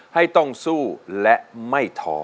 ให้ต้องสู้และไม่ท้อ